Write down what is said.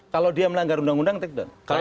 kalau dia melanggar undang undang take down